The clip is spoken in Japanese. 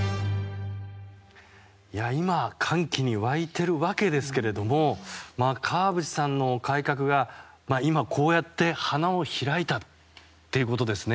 今、歓喜に湧いているわけですけども川淵さんの改革が今、こうやって花を開いたということですね。